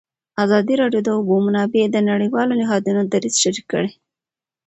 ازادي راډیو د د اوبو منابع د نړیوالو نهادونو دریځ شریک کړی.